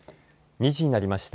２時になりました。